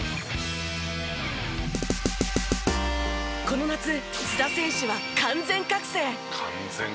この夏須田選手は完全覚醒！